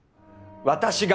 私が！